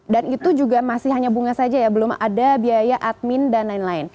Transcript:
dan itu juga masih hanya bunga saja ya belum ada biaya admin dan lain lain